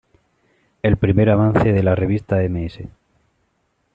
El primer avance de la revista Ms.